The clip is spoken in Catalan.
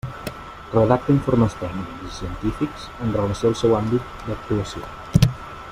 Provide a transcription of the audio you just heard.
Redacta informes tècnics i científics en relació al seu àmbit d'actuació.